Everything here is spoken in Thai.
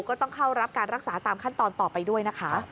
ก็ต้องเข้ารับการรักษาตามขั้นตอนต่อไปด้วยนะคะ